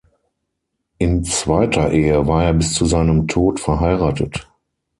In zweiter Ehe war er bis zu seinem Tod verheiratet.